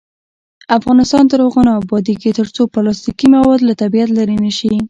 افغانستان تر هغو نه ابادیږي، ترڅو پلاستیکي مواد له طبیعت لرې نشي.